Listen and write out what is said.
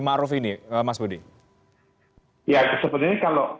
maruf ini mas budi ya sebenarnya kalau